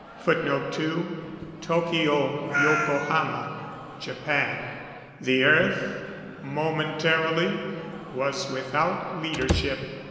[Footnote 2: Tokyo Yokohama, Japan.] The Earth momentarily was without leadership!